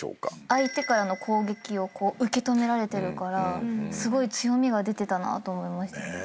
相手からの攻撃を受け止められてるからすごい強みが出てたなと思いました。